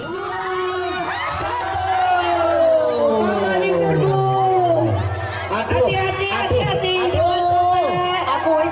tiga satu tiga dua satu